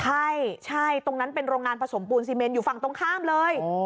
ใช่ใช่ตรงนั้นเป็นโรงงานผสมปูนซีเมนอยู่ฝั่งตรงข้ามเลย